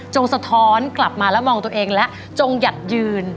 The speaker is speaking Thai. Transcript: สะท้อนกลับมาและมองตัวเองและจงหยัดยืน